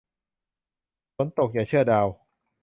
ฝนตกอย่าเชื่อดาว